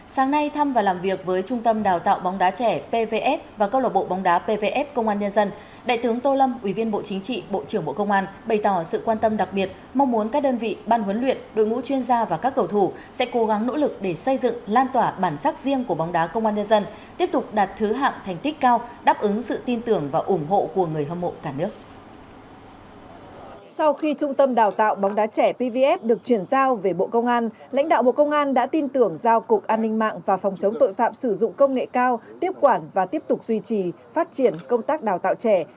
sau khi trung tâm đào tạo bóng đá trẻ pvf được chuyển giao về bộ công an lãnh đạo bộ công an đã tin tưởng giao cục an ninh mạng và phòng chống tội phạm sử dụng công nghệ cao tiếp quản và tiếp tục duy trì phát triển công tác đào tạo trẻ